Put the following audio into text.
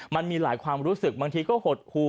มันมีหลายความรู้สึกบางทีก็หดหู